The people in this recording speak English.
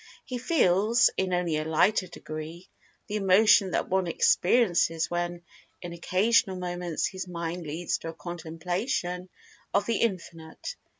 He feels, in only a lighter degree, the emotion that one experiences when, in occasional moments, his mind leads to a contemplation of The Infinite.